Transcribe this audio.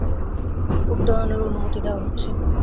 উড্ডয়নের অনুমতি দেয়া হচ্ছে।